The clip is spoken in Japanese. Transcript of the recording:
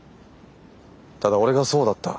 ただ俺がそうだった。